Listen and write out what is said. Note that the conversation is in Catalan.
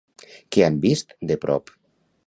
Què han vist de prop?